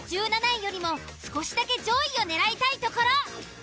１７位よりも少しだけ上位を狙いたいところ。